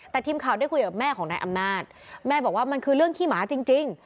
แต่ทีมข่าวได้คุยกับแม่ของนายอำนาจแม่บอกว่ามันคือเรื่องขี้หมาจริง